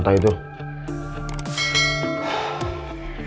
tidak ada morally